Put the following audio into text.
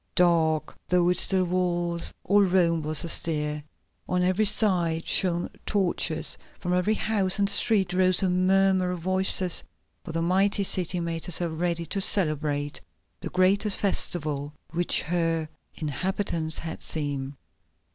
Dark though it still was, all Rome was astir. On every side shone torches, from every house and street rose the murmur of voices, for the mighty city made herself ready to celebrate the greatest festival which her inhabitants had seen.